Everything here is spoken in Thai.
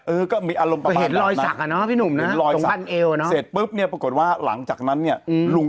เออก็มีอารมณ์ประมาณนั้น